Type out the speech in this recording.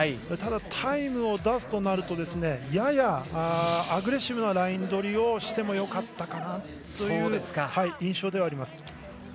ただ、タイムを出すとなるとややアグレッシブなライン取りをしてもよかったかなという印象ではあります。